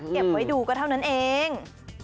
เก็บไว้ดูก็เท่านั้นเอง